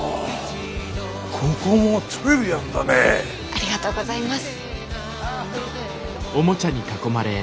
ありがとうございます。